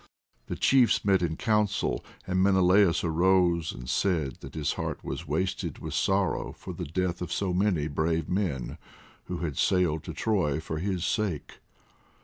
The chiefs met in council, and Menelaus arose and said that his heart was wasted with sorrow for the death of so many brave men who had sailed to Troy for his sake.